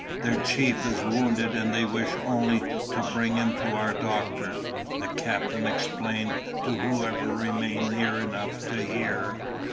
Their chief is wounded and they wish only to bring him to our doctor," the captain explained to whoever remained near enough to hear.